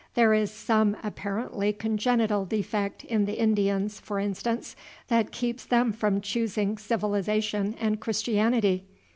There is some apparently congenital defect in the Indians, for instance, that keeps them from choosing civilization and Christianity.